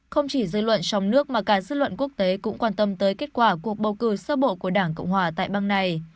không chỉ dư luận trong nước mà cả dư luận quốc tế cũng quan tâm tới kết quả cuộc bầu cử sơ bộ của đảng cộng hòa tại bang này